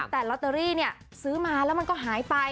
แต่ลอตเตอรี่เนี่ยซื้อมาแล้วมันก็หายไป